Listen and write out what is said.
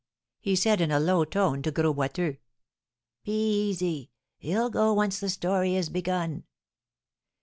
he said, in a low tone, to Gros Boiteux. "Be easy! He'll go when once the story is begun."